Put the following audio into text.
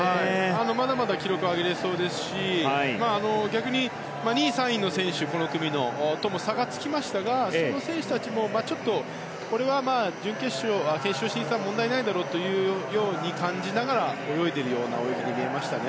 まだまだ記録は上げられそうですし逆に、この組の２位、３位の選手とも差がつきましたがその選手たちもちょっと、これは決勝進出は問題ないだろうというように感じながら泳いでいるような泳ぎに見えました。